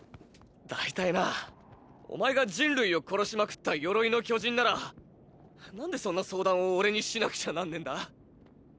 大体なぁお前が人類を殺しまくった「鎧の巨人」なら何でそんな相談をオレにしなくちゃなんねぇんだ。